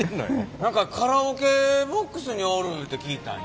何かカラオケボックスにおるて聞いたんよ。